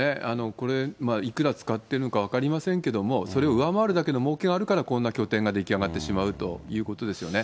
これ、いくら使っているのか分かりませんけども、それを上回るだけのもうけがあるから、こんな拠点が出来上がってしまうということですよね。